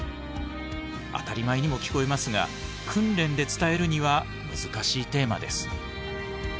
当たり前にも聞こえますが訓練で伝えるには難しいテーマです。